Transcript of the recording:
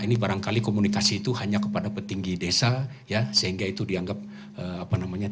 ini barangkali komunikasi itu hanya kepada petinggi desa ya sehingga itu dianggap apa namanya